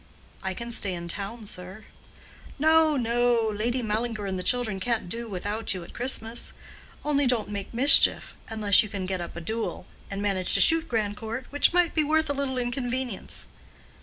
"I can stay in town, sir." "No, no. Lady Mallinger and the children can't do without you at Christmas. Only don't make mischief—unless you can get up a duel, and manage to shoot Grandcourt, which might be worth a little inconvenience."